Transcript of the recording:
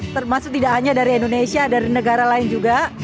termasuk tidak hanya dari indonesia dari negara lain juga